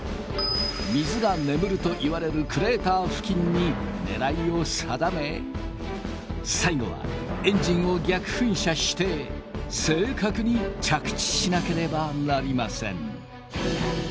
水が眠るといわれるクレーター付近に狙いを定め最後はエンジンを逆噴射して正確に着地しなければなりません。